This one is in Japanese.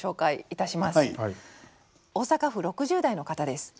大阪府６０代の方です。